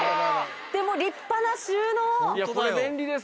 でも立派な収納！